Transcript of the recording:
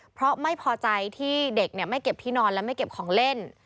เพราะไม่พอใจที่เด็กไม่เก็บที่นอนและไม่เก็บของเล่น